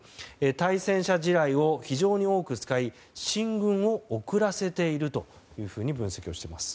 対戦車地雷を非常に多く使い進軍を遅らせているというふうに分析をしています。